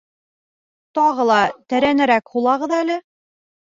Тағы ла тәрәнерәк һулағыҙ әле